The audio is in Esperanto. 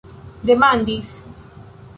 demandis